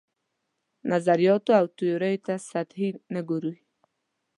نظریاتو او تیوریو ته سطحي نه ګوري.